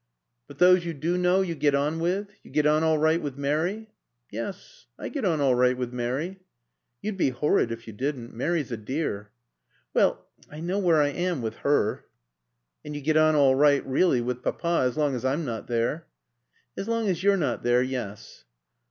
"But those you do know you get on with? You get on all right with Mary?" "Yes. I get on all right with 'Mary.'" "You'd be horrid if you didn't. Mary's a dear." "Well I know where I am with her." "And you get on all right really with Papa, as long as I'm not there." "As long as you're not there, yes."